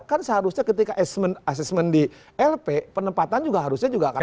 kan seharusnya ketika assessment di lp penempatan juga harusnya juga akan